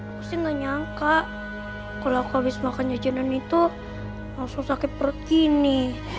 pasti gak nyangka kalau aku habis makan jajanan itu langsung sakit perut gini